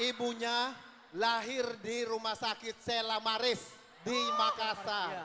ibunya lahir di rumah sakit selamarif di makassar